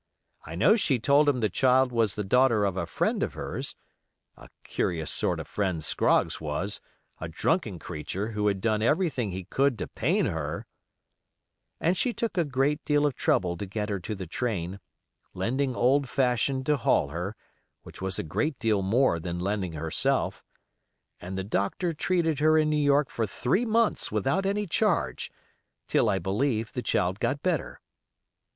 I know she told him the child was the daughter of "a friend" of hers (a curious sort of friend Scroggs was, a drunken creature, who had done everything he could to pain her), and she took a great deal of trouble to get her to the train, lending old Fashion to haul her, which was a great deal more than lending herself; and the doctor treated her in New York for three months without any charge, till, I believe, the child got better.